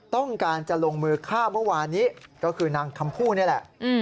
ต้องการจะลงมือฆ่าเมื่อวานนี้ก็คือนางคำผู้นี่แหละ